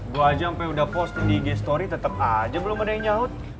gue aja sampai udah posting di ig story tetep aja belum ada yang nyahut